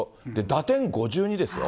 打点５２ですよ。